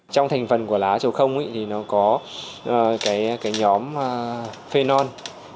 trong thành phần của lá chầu không thì nó có cái nhóm phenol